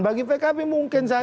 bagi pkb mungkin saja